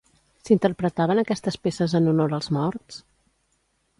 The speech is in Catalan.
S'interpretaven aquestes peces en honor als morts?